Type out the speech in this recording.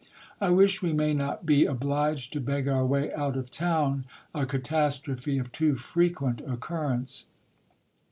I wish we may not be obliged to beg our way out of town ; a catastrophe of too frequent occurrence